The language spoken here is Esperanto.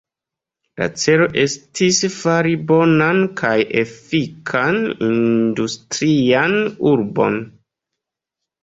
La celo estis fari bonan kaj efikan industrian urbon.